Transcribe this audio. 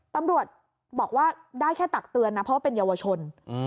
ตำรวจบอกว่าได้แค่ตักเตือนนะเพราะว่าเป็นเยาวชน